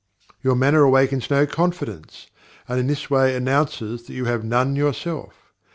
Your manner awakens no confidence, and in this way announces that you have none yourself.